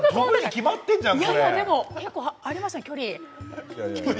結構ありましたよ、距離。